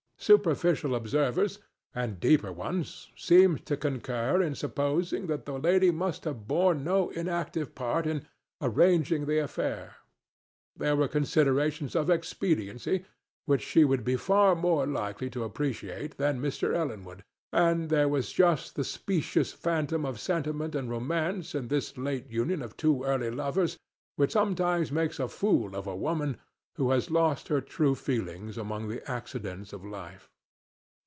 Superficial observers, and deeper ones, seemed to concur in supposing that the lady must have borne no inactive part in arranging the affair; there were considerations of expediency which she would be far more likely to appreciate than Mr. Ellenwood, and there was just the specious phantom of sentiment and romance in this late union of two early lovers which sometimes makes a fool of a woman who has lost her true feelings among the accidents of life.